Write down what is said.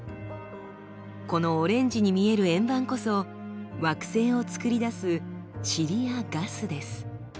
このオレンジに見える円盤こそ惑星をつくり出すチリやガスです。